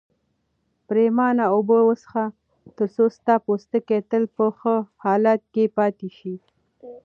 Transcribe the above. پرېمانه اوبه وڅښه ترڅو ستا پوستکی تل په ښه حالت کې پاتې شي.